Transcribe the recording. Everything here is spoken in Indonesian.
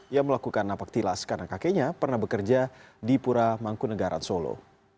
ia melakukan napak tilas karena kakeknya pernah bekerja di pura mangkunegaran solo